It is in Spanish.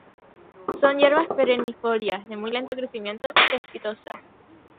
Son hierbas perennifolias de muy lento crecimiento, cespitosas.